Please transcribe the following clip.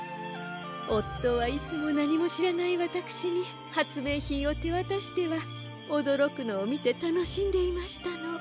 おっとはいつもなにもしらないわたくしにはつめいひんをてわたしてはおどろくのをみてたのしんでいましたの。